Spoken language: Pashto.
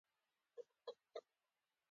هر کله چې خوشاله وئ وعده مه کوئ.